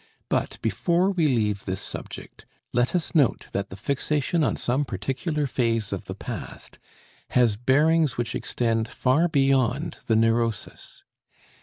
But before we leave this subject let us note that the fixation on some particular phase of the past has bearings which extend far beyond the neurosis.